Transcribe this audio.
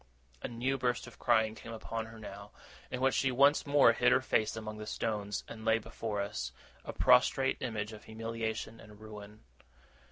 A new burst of crying came upon her now, in which she once more hid her face among the stones, and lay before us, a prostrate image of humiliation and ruin.